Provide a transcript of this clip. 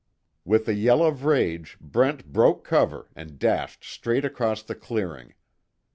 With a yell of rage, Brent broke cover and dashed straight across the clearing.